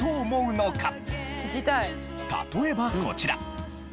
例えばこちら。